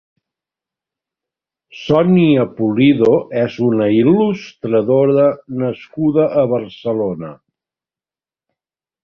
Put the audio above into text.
Sonia Pulido és una il·lustradora nascuda a Barcelona.